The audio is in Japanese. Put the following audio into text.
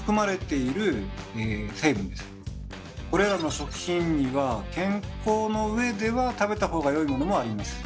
これらの食品には健康のうえでは食べた方が良いものもあります。